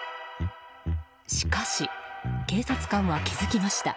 しかし、警察官は気づきました。